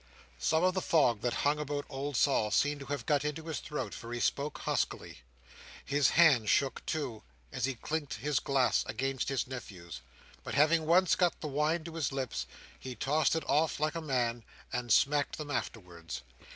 Some of the fog that hung about old Sol seemed to have got into his throat; for he spoke huskily. His hand shook too, as he clinked his glass against his nephew's. But having once got the wine to his lips, he tossed it off like a man, and smacked them afterwards.